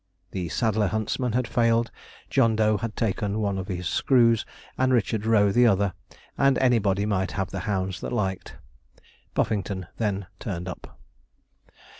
The saddler huntsman had failed; John Doe had taken one of his screws, and Richard Roe the other, and anybody might have the hounds that liked: Puffington then turned up.